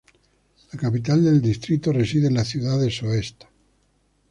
La capital de distrito reside en la ciudad de Soest.